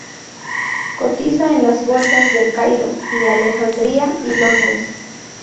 Cotiza en las bolsas de El Cairo y Alejandría y Londres.